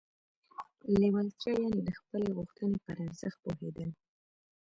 لېوالتیا يانې د خپلې غوښتنې پر ارزښت پوهېدل.